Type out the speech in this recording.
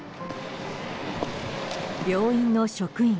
病院の職員。